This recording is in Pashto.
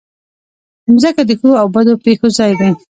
مځکه د ښو او بدو پېښو ځای ده.